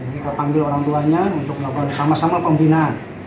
kita panggil orang tuanya untuk melakukan sama sama pembinaan